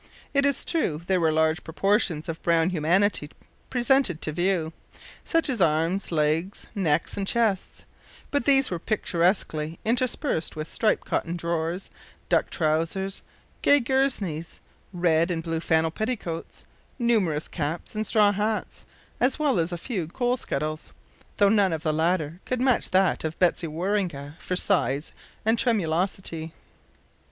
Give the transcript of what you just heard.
It is true there were large proportions of brown humanity presented to view such as arms, legs, necks, and chests, but these were picturesquely interspersed with striped cotton drawers, duck trousers, gay guernseys, red and blue flannel petticoats, numerous caps and straw hats as well as a few coal scuttles though none of the latter could match that of Betsy Waroonga for size and tremulosity.